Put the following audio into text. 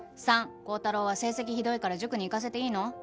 ３高太郎は成績ひどいから塾に行かせていいの？